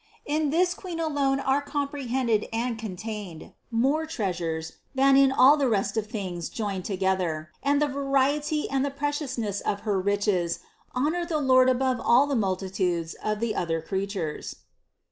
In this Queen alone are comprehended and contained more treas ures than in all the rest of things joined together, and the variety and the preciousness of her riches' honor the Lord above all the multitudes of the other creatures.